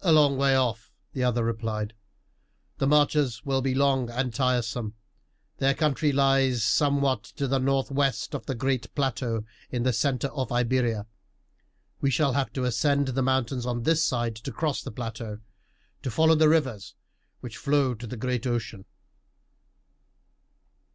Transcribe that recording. "A long way off," the other replied. "The marches will be long and tiresome. Their country lies somewhat to the northwest of the great plateau in the centre of Iberia. We shall have to ascend the mountains on this side, to cross the plateau, to follow the rivers which flow to the great ocean."